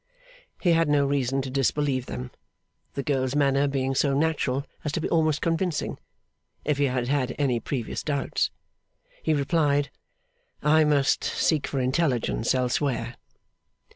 He had no reason to disbelieve them; the girl's manner being so natural as to be almost convincing, if he had had any previous doubts. He replied, 'I must seek for intelligence elsewhere.